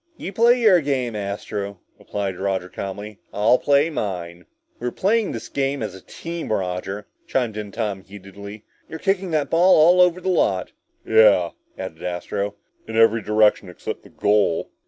"You play your game, Astro," replied Roger calmly, "I'll play mine." "We're playing this game as a team, Roger," chimed in Tom heatedly. "You're kicking the ball all over the lot!" "Yeah," added Astro. "In every direction except the goal!"